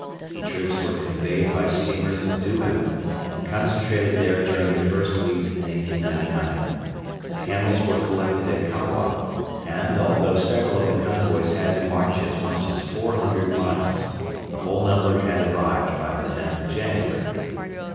The troops were conveyed by steamer to Duem, and concentrated there during the first week in 1899. The camels were collected at Kawa, and, although several of the convoys had to march as much as 400 miles, the whole number had arrived by the 10th of January.